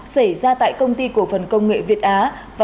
xảy ra tại công ty cổ phần công nghệ việt á